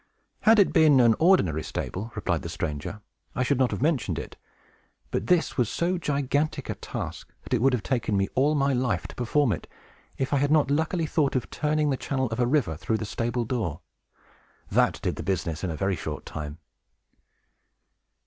"Had it been an ordinary stable," replied the stranger, "I should not have mentioned it. But this was so gigantic a task that it would have taken me all my life to perform it, if I had not luckily thought of turning the channel of a river through the stable door. That did the business in a very short time!"